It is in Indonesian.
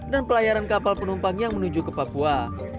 dan pelayaran kapal penumpang yang menuju ke papua